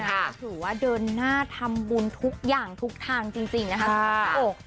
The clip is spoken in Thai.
เราถือว่าเดินหน้าทำบุญทุกอย่างทุกทางจริงนะครับ